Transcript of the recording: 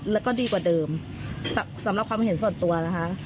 แล้วก็ดีกว่าเดิมสำหรับความเห็นส่วนตัวนะคะ